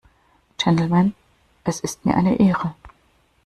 Gentlemen, es ist mir eine Ehre!